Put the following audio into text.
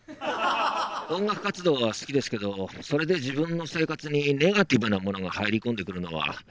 音楽活動は好きですけどそれで自分の生活にネガティブなものが入り込んでくるのはアホらしいなと。